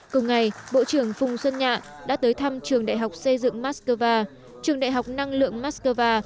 cùng ngày bộ trưởng phùng xuân nhạ đã tới thăm trường đại học xây dựng moscow trường đại học năng lượng moscow